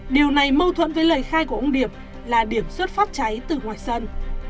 điều này mâu thuẫn với lời khai của ông điệp là điểm xuất phát cháy từ ngoài sân